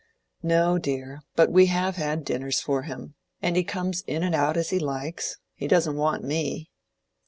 "No, dear; but we have had dinners for him. And he comes in and goes out as he likes. He doesn't want me."